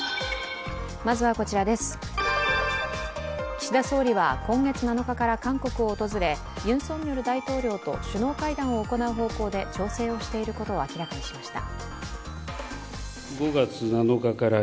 岸田総理は今月７日から韓国を訪れ、ユン・ソンニョル大統領と首脳会談を行う方向で調整をしていることを明らかにしました。